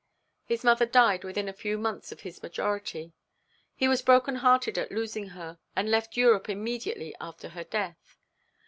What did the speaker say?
His mother died within a few months of his majority. He was broken hearted at losing her, and left Europe immediately after her death.